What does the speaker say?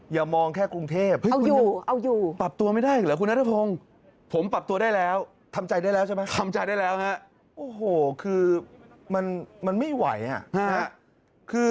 อย่ามองแค่กรุงเทพฯเอาอยู่